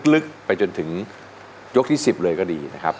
ลึกไปจนถึงยกที่๑๐เลยก็ดีนะครับ